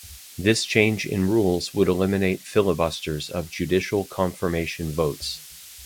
This change in rules would eliminate filibusters of judicial confirmation votes.